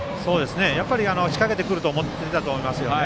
やっぱり仕掛けてくると思っていたと思いますね。